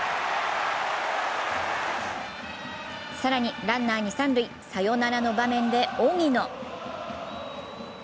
更にランナー、二・三塁、サヨナラの場面で荻野。